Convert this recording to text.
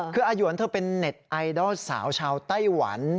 คืออาหยวนเธอเป็นเน็ตไอดอลสาวชาวไต้หวัน